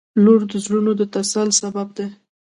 • لور د زړونو د تسل سبب دی.